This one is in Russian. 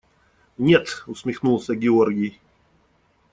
– Нет, – усмехнулся Георгий.